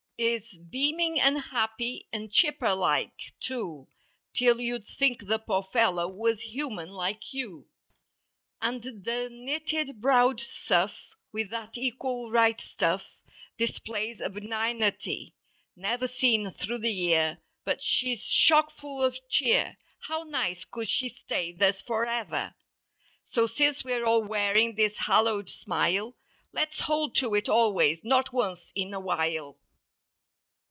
Is beaming and happy and chipper like, too, 'Till you'd think the poor fellow was human— like you. And the knitted browed suff, with that equal right stuff. Displays a benignity, never Seen through the year but she's chock full of cheer. How nice could she stay thus forever! So since we're all wearing this hallowed smile Let's hold to it always—not once in a while.